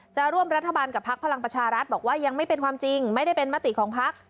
จะร่วมรัฐบาลกับพักพลังประชารัฐบอกว่ายังไม่เป็นความจริงไม่ได้เป็นมติของพัก